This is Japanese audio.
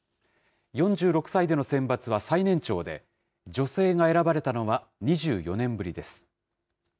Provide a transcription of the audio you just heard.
４６歳での選抜は最年長で、女性が選ばれたのは２４年ぶりです。